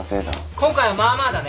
今回はまあまあだね。